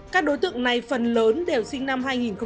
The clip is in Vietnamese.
các đối tượng này phần lớn đều sinh năm hai nghìn